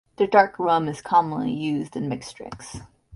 The dark rum is commonly used in mixed drinks.